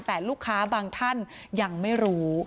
แต่ลูกค้าบางท่านยังไม่รู้